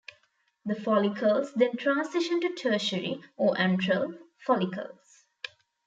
The follicles then transition to tertiary, or antral, follicles.